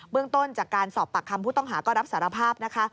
เรื่องต้นจากการสอบปากคำผู้ต้องหาก็รับสารภาพนะคะ